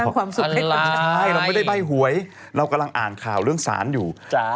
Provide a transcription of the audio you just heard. ความสุขให้คุณใช่เราไม่ได้ใบ้หวยเรากำลังอ่านข่าวเรื่องสารอยู่